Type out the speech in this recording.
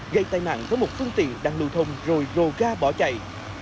gây tai nạn với một phương tiện đang lưu thông rồi rồ ga bỏ chạy